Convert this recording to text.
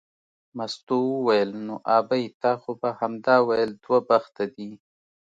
مستو وویل نو ابۍ تا خو به همدا ویل دوه بخته دی.